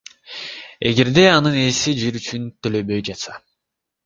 эгерде анын ээси жер үчүн төлөбөй жатса.